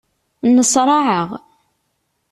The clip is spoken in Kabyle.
Nneṣṛaɛeɣ.